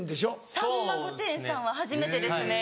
『さんま御殿‼』さんは初めてですね。